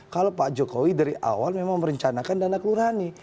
kalau pak jokowi dari awal memang merencanakan dana kelurahani